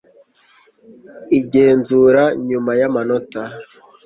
igenzura nyuma y amatora